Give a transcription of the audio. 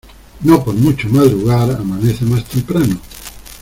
No por mucho madrugar amanece más temprano.